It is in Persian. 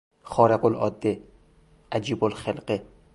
خارقالعاده، عجیبالخلقه